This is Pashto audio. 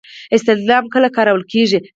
استعلام کله کارول کیږي؟